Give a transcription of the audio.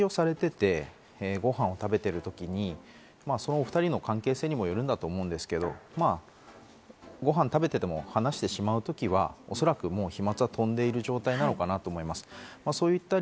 なので、一緒に食事をされていて、ご飯を食べている時にお２人の関係性にもよると思うんですが、ご飯を食べてても話してしまうときは、おそらく飛沫は飛んでいる状態なのかなと思います。